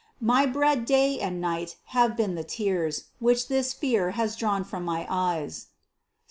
My bread day and night have been the tears, which this fear has drawn from my eyes (Ps.